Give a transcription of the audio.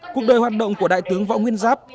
cuộc đời hoạt động của đại tướng võ nguyên giáp